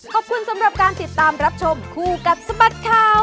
ขอบคุณสำหรับการติดตามรับชมคู่กับสบัดข่าว